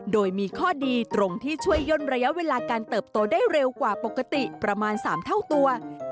โดยมีข้อดีตรงที่ช่วยย่นระยะเวลาการเติบโตได้เร็วกว่าปกติประมาณ๓เท่าตัว